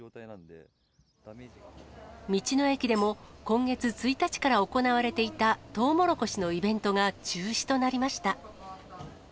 道の駅でも今月１日から行われていたとうもろこしのイベントが中止となりました。